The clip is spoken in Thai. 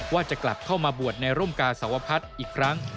ว่าจะกลับเข้ามาบวชในร่มกาสวพัฒน์อีกครั้ง